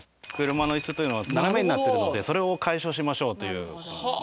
車の椅子というのは斜めになってるのでそれを解消しましょうという。はあ。